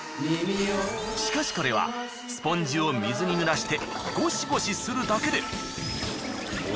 しかしこれはスポンジを水に濡らしてゴシゴシするだけで。